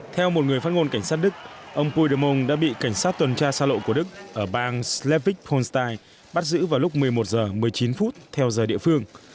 theo một người phát ngôn cảnh sát đức ông phúy đơ mông đã bị cảnh sát tuần tra xa lộ của đức ở bang schleppig polstein bắt giữ vào lúc một mươi một h một mươi chín phút theo giờ địa phương